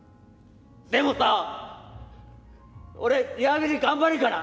でもさ俺リハビリ頑張るから。